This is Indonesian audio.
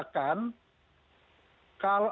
kalau kaleng itu bocor dikasih air berapa banyak